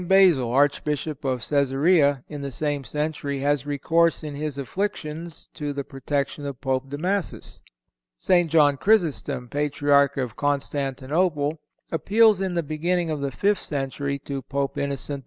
Basil, Archbishop of Cæsarea, in the same century has recourse in his afflictions to the protection of Pope Damasus. St. John Chrysostom, Patriarch of Constantinople, appeals in the beginning of the fifth century to Pope Innocent I.